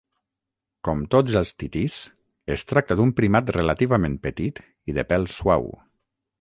Com tots els titís, es tracta d'un primat relativament petit i de pèl suau.